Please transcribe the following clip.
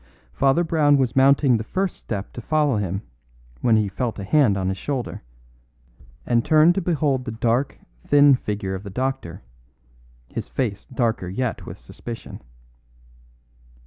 Father Brown was mounting the first step to follow him when he felt a hand on his shoulder, and turned to behold the dark, thin figure of the doctor, his face darker yet with suspicion.